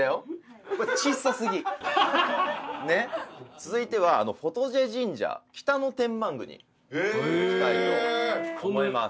続いてはフォトジェ神社北野天満宮に行きたいと思います。